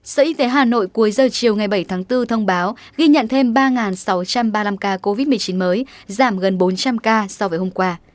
sở y tế hà nội cuối giờ chiều ngày bảy tháng bốn thông báo ghi nhận thêm ba sáu trăm ba mươi năm ca covid một mươi chín mới giảm gần bốn trăm linh ca so với hôm qua